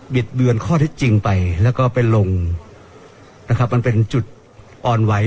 ิดเบือนข้อเท็จจริงไปแล้วก็ไปลงนะครับมันเป็นจุดอ่อนไหว